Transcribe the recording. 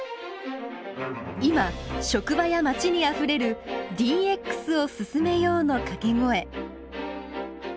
今、職場や街にあふれる「ＤＸを進めよう」の掛け声。